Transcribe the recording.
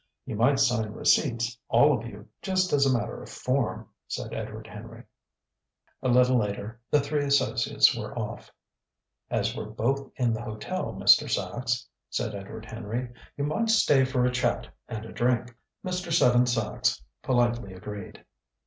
"You might sign receipts, all of you, just as a matter of form," said Edward Henry. A little later, the three associates were off. "As we're both in the hotel, Mr. Sachs," said Edward Henry, "you might stay for a chat and a drink." Mr. Seven Sachs politely agreed.